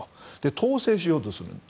統制しようとするんです。